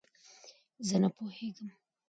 زه نه پوهېږم